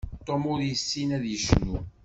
Tom ur yessin ad yecnu.